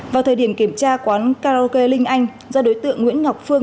vào thời điểm kiểm tra quán karaoke linh anh do đối tượng nguyễn ngọc phương